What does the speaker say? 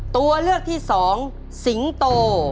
ตัวเลือกที่สองสิงโต